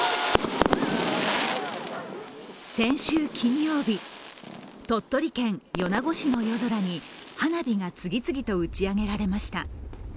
先週金曜日、鳥取県米子市の夜空に花火が次々と打ち上げられました。